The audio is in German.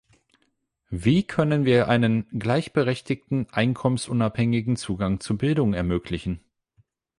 Wie können wir einen gleichberechtigten, einkommensunabhängigen Zugang zu Bildung ermöglichen?